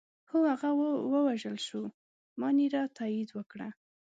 هو، هغه ووژل شو، مانیرا تایید وکړه.